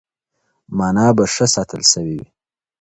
مانا به ښه ساتل شوې وي.